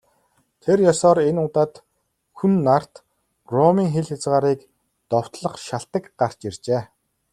Тэр ёсоор энэ удаад Хүн нарт Ромын хил хязгаарыг довтлох шалтаг гарч иржээ.